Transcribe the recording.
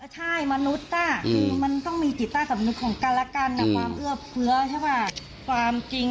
ใช่มนุษย์จอดมันต้องมีจิตต้าสำนึกของการละกันว่าม่ายฟื้อใช่ป่ะ